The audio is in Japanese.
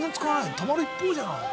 たまる一方じゃない？